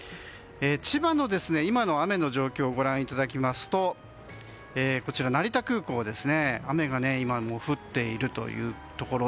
千葉の今の雨の状況をご覧いただきますと成田空港、雨が今も降っているというところ。